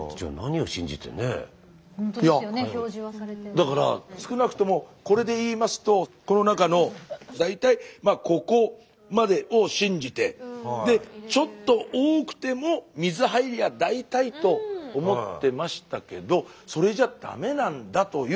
だから少なくともこれで言いますとこの中の大体ここまでを信じてちょっと多くても水入りゃ大体と思ってましたけどそれじゃダメなんだという。